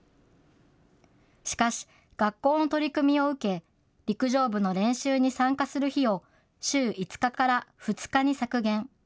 しかし、学校の取り組みを受け、陸上部の練習に参加する日を週５日から２日に削減。